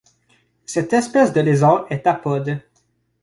Cette espèce de lézard est apode.